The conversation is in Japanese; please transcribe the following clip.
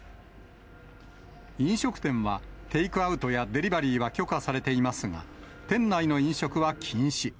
飲食店は、テイクアウトやデリバリーは許可されていますが、店内の飲食は禁止。